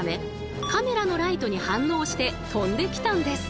カメラのライトに反応して飛んできたんです。